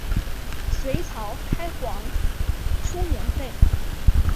隋朝开皇初年废。